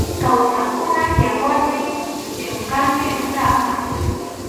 Kawsaqkunap yawarnin chʼunqaqmi usaqa.